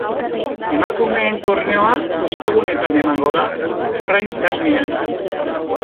Emakumeen torneoa ostegunetan emango da, prime time-an.